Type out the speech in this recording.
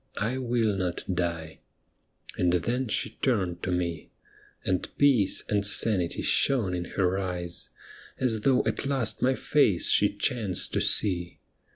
I will not die.' And then she turned to me. And peace and sanity shone in her eyes, As though at last my face she chanced to see.